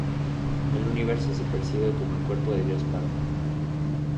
El universo se percibe como el cuerpo de Dios Padre.